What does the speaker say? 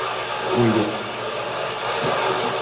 O’ldi